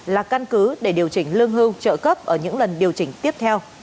là căn cứ để điều chỉnh lương hưu trợ cấp ở những lần điều chỉnh tiếp theo